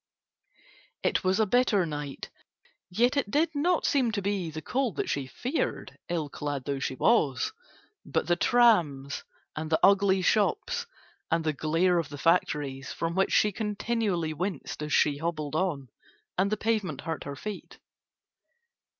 It was a bitter night, yet it did not seem to be the cold that she feared, ill clad though she was, but the trams and the ugly shops and the glare of the factories, from which she continually winced as she hobbled on, and the pavement hurt her feet.